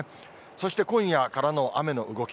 そして今夜からの雨の動き。